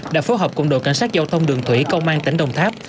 đã phối hợp cùng đội cảnh sát giao thông đường thủy công an tỉnh đồng tháp